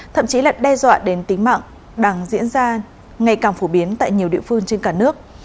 thậm chí là đe dọa đến tính mạng đang diễn ra ngày càng phổ biến tại nhiều địa phương trên cả nước